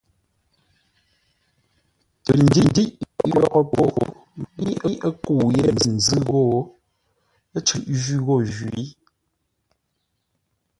Tə ndə́iʼ yórə́ po, mə́i ə́ kə́u yé lə̂ ńzʉ́ ghô, ə́ cʉ́ʼ jwí ghô jwǐ.